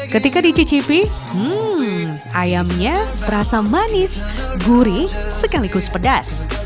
ketika dicicipi hmm ayamnya terasa manis gurih sekaligus pedas